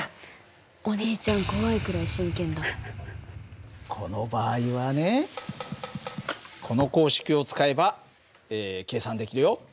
お兄ちゃんこの場合はねこの公式を使えば計算できるよ。